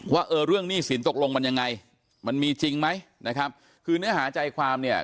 ว่าเออเรื่องหนี้สินตกลงมันยังไงมันมีจริงไหมนะครับคือเนื้อหาใจความเนี่ย